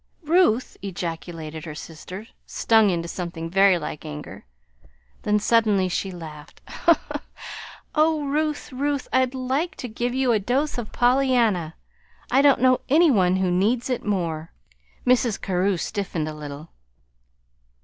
"Ruth!" ejaculated her sister, stung into something very like anger. Then suddenly she laughed. "Oh, Ruth, Ruth, I'd like to give you a dose of Pollyanna. I don't know any one who needs it more!" Mrs. Carew stiffened a little.